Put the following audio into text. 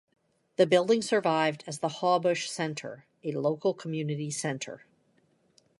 The building survived as the Hawbush Centre, a local community centre.